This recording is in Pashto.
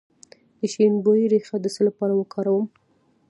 د شیرین بویې ریښه د څه لپاره وکاروم؟